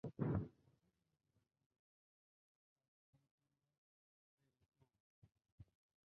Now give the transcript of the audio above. मोदी के मंत्रिमंडल विस्तार और अमित शाह की नई टीम में देरी क्यों?